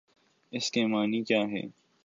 اس کے معانی کیا ہیں؟